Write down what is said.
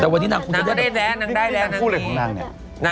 แต่วันนี้นางคงจะได้แบบว่านางสอนวิธีกรรมแต่งหน้าเถอะ